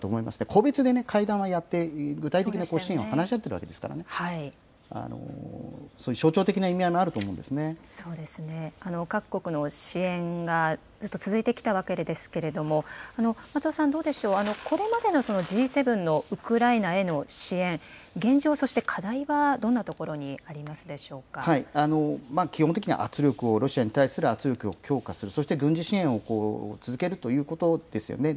個別で会談はやって、具体的な支援は話し合っているわけですからね、そういう象徴的なそうですね、各国の支援がずっと続いてきたわけですけれども、松尾さん、どうでしょう、これまでのＧ７のウクライナへの支援、現状として課題はどんなところに基本的には圧力を、ロシアに対する圧力を強化する、そして軍事支援を続けるということですよね。